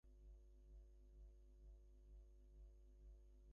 সর্বোপরি, আমরা তাকে ষোল বছর ধরে লালন-পালন করেছি।